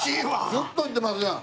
ずっといってますやん。